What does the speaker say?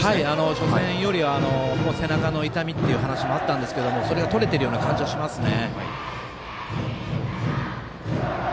初戦より、背中の痛みっていう話もあったんですけどそれがとれている感じはしますね。